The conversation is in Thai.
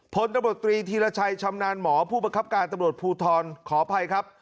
พลตำรวจตรีธีรชัยชำนาญหมอผู้ประคับการตำรวจภูทรขออภัยครับ